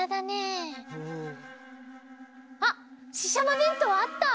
うん。あっししゃもべんとうあった！